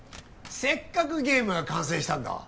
せっかくゲームが完成したんだ